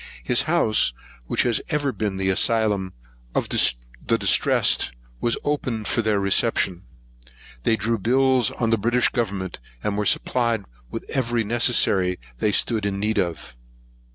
His house, which has ever been the asylum of the distressed, was open for their reception. They drew bills on the British government, and were supplied with every necessary they stood in need of.